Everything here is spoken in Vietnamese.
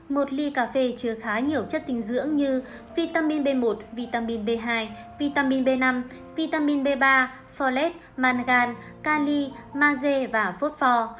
một ly cà phê chứa khá nhiều chất tình dưỡng như vitamin b một vitamin b hai vitamin b năm vitamin b ba folate mangan kali maze và phốt pho